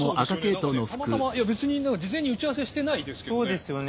別に事前に打ち合わせしてないですけどね。